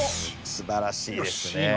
すばらしいですね。